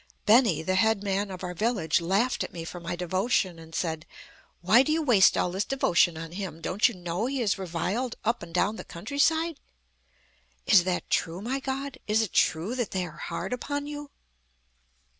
Beni, the head man of our village, laughed at me for my devotion, and said: 'Why do you waste all this devotion on Him? Don't you know He is reviled up and down the countryside?' Is that true, my God? Is it true that they are hard upon you?"